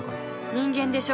人間でしょ。